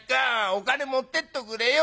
お金持ってっとくれよ。